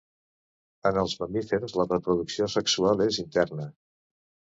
En els mamífers la reproducció sexual és interna.